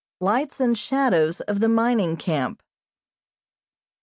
LIGHTS AND SHADOWS OF THE MINING CAMP.